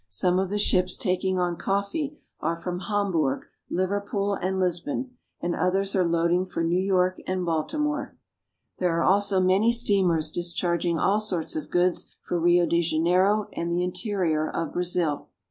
Some of the ships taking on coffee are from Hamburg, Liverpool, and Lisbon, and others are loading for New York and Baltimore. There There is coffee everywhere." 272 BRAZIL. are also many steamers discharging all sorts of goods for Rio de Janeiro and the interior of Brazil.